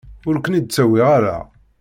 Ur ken-id-ttawiɣ ara.